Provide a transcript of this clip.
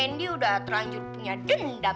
candy udah terlanjur punya dendam